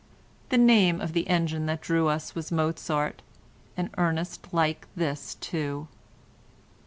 The name of the engine that drew us was Mozart, and Ernest liked this too.